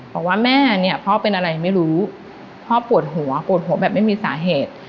บอกว่าแม่เนี่ยพ่อเป็นอะไรไม่รู้พ่อปวดหัวปวดหัวแบบไม่มีสาเหตุ